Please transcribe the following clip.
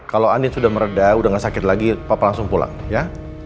kalau angin sudah meredah udah gak sakit lagi papa langsung pulang ya